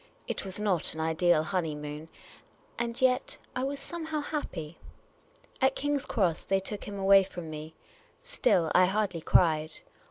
It was not an ideal honeymoon, and yet, I was somehow happy. At King's Cross, they took him away from me. Still, I hardly cried.